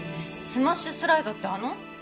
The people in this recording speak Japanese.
スマッシュスライドってあの？